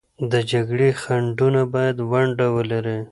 د جګړې خنډونه باید ونډه ولري.